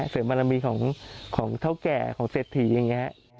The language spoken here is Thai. เสริมบารมีของเท่าแก่ของเศรษฐีอย่างนี้